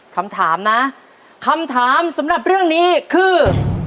คำถามนะคำถามสำหรับเรื่องนี้คือ